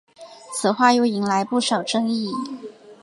此话又引来不少争议。